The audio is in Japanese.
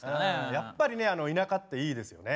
やっぱりね田舎っていいですよね。